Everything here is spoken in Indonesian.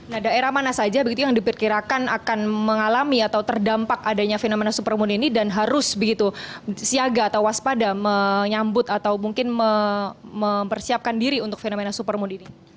nah daerah mana saja begitu yang diperkirakan akan mengalami atau terdampak adanya fenomena supermoon ini dan harus begitu siaga atau waspada menyambut atau mungkin mempersiapkan diri untuk fenomena supermoon ini